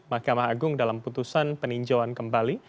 mahkamah agung dalam putusan peninjauan kembali